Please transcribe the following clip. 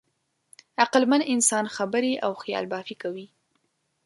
عقلمن انسان خبرې او خیالبافي کوي.